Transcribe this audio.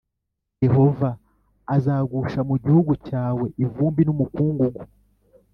yehova azagusha mu gihugu cyawe ivumbi n’umukungugu